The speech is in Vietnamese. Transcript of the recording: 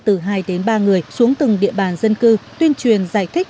từ hai đến ba người xuống từng địa bàn dân cư tuyên truyền giải thích